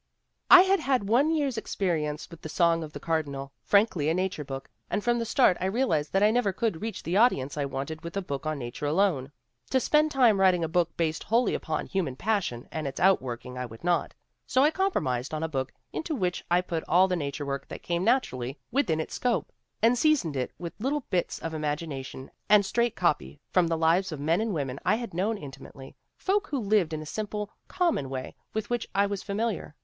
1 'I had had one year's experience with The Song of e Cardinal, frankly a nature book, and from the start I realized that I never could reach the audience I wanted with a book on nature alone. To spend time writing a book based wholly upon human passion and its outworking I would not. So I compromised on a book into which I put all the nature work that came nat urally within its scope, and seasoned it with little bits of imagination and straight copy from the lives of men and women I had known intimately, folk who lived in a simple, common way with which I was fa miliar.